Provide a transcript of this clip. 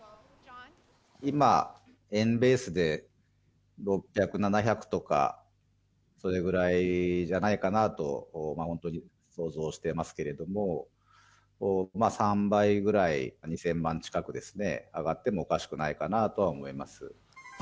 今、円ベースで６００、７００とか、それぐらいじゃないかなと本当に想像してますけれども、３倍ぐらい、２０００万近くですね、上がってもおかしくないかなとは思います。